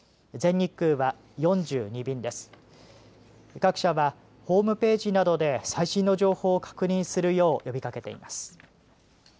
各社はホームページなどで最新の情報を確認するよう呼びかけています。